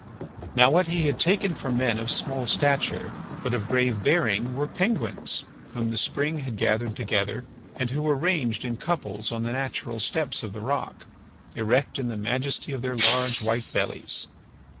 Now what he had taken for men of small stature but of grave bearing were penguins whom the spring had gathered together, and who were ranged in couples on the natural steps of the rock, erect in the majesty of their large white bellies.